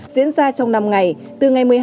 diễn ra trong năm ngày từ ngày một mươi hai